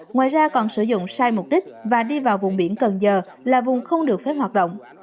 ngoài ra còn sử dụng sai mục đích và đi vào vùng biển cần giờ là vùng không được phép hoạt động